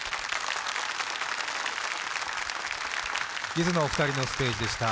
ゆずのお二人のステージでした。